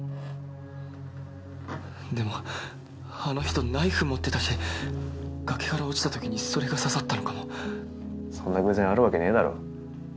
でもあの人ナイフ持ってたし崖から落ちたときにそれが刺さったのかもそんな偶然あるわけねぇだろ